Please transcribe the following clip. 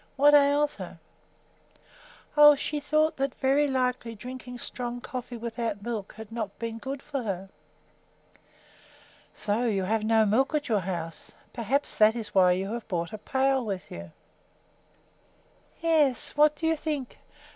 What ails her?" "Oh, she thought that very likely drinking strong coffee without milk had not been good for her." "So you have no milk at your house. Perhaps that is why you have brought a pail with you." "Yes; what do you think!